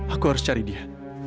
aku harus cari dia